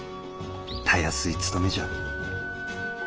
たやすい務めじゃ」。